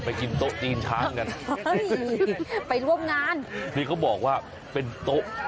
กินโต๊ะจีนช้างกันไปร่วมงานนี่เขาบอกว่าเป็นโต๊ะ